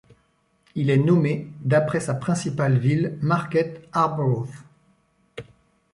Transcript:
Il est nommé d'après sa principale ville Market Harborough.